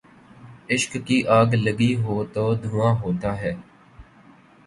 عشق کی آگ لگی ہو تو دھواں ہوتا ہے